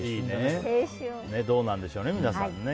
どうなんでしょうね、皆さん。